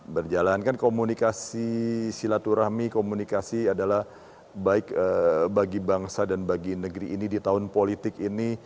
berjalan kan komunikasi silaturahmi komunikasi adalah baik bagi bangsa dan bagi negeri ini di tahun politik ini